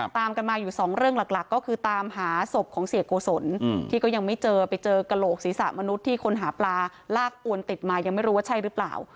ตามกันมาอยู่สองเรื่องหลักก็คือตามหาศพของเสียโกศลที่ก็ยังไม่เจอไปเจอกระโหลกศีรษะมนุษย์ที่คนหาปลาลากอวนติดมายังไม่รู้ว่าใช่หรือเปล่า